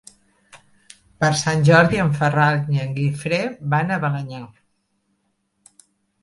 Per Sant Jordi en Ferran i en Guifré van a Balenyà.